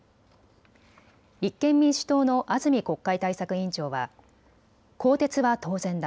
立憲民主党の安住国会対策委員長は更迭は当然だ。